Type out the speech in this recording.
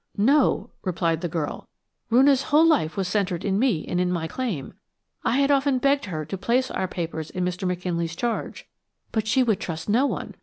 "No," replied the girl; "Roonah's whole life was centred in me and in my claim. I had often begged her to place our papers in Mr. McKinley's charge, but she would trust no one.